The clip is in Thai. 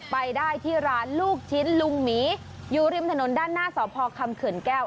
ไปได้ที่ร้านลูกชิ้นลุงหมีอยู่ริมถนนด้านหน้าสพคำเขื่อนแก้ว